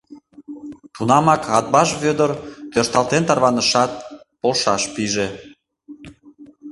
Тунамак Атбаш Вӧдыр тӧршталтен тарванышат, полшаш пиже.